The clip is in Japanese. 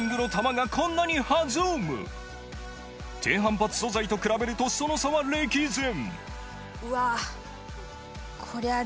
低反発素材と比べるとその差は歴然うわ。